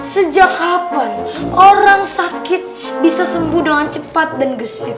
sejak kapan orang sakit bisa sembuh dengan cepat dan gesit